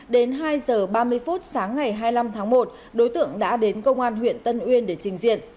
đến hai h ba mươi phút sáng ngày hai mươi năm tháng một đối tượng đã đến công an huyện tân uyên để trình diện